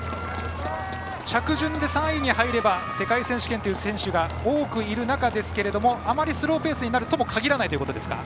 着順で３位に入れば世界選手権という選手が多くいる中ですがあまりスローペースになるとも限らないということですか。